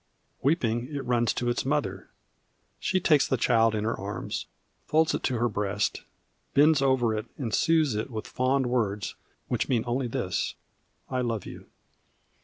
Weeping, it runs to its mother. She takes the child in her arms, folds it to her breast, bends over it, and soothes it with fond words which mean only this: "I love you."